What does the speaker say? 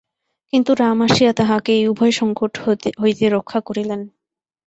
কিন্তু রাম আসিয়া তাঁহাকে এই উভয়সঙ্কট হইতে রক্ষা করিলেন।